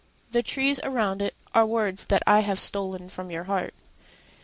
The trees around itAre words that I have stolen from your heart.